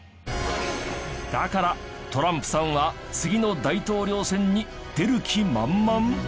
だからトランプさんは次の大統領選に出る気満々？